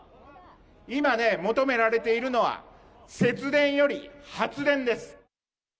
今ね、求められているのは、節電より発電です。